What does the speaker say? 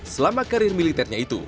selama karir militernya itu